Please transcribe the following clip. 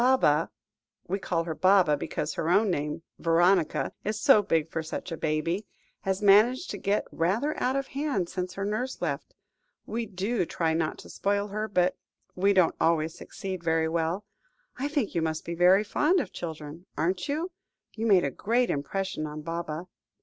"Baba we call her Baba, because her own name, Veronica, is so big for such a baby has managed to get rather out of hand since her nurse left. We do try not to spoil her, but we don't always succeed very well. I think you must be very fond of children aren't you? You made a great impression on Baba."